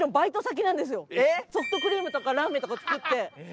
ソフトクリームとかラーメンとか作って。